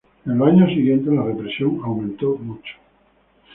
En los años siguientes la represión aumento mucho.